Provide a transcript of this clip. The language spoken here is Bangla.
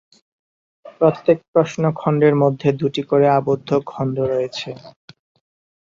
প্রত্যেক প্রশ্ন খণ্ডের মধ্যে দুটি করে আবদ্ধ খণ্ড রয়েছে।